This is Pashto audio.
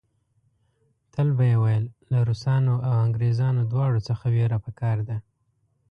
تل به یې ویل له روسانو او انګریزانو دواړو څخه وېره په کار ده.